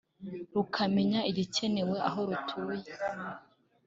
rukamenya igikenewe aho rutuye